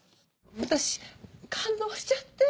私感動しちゃって。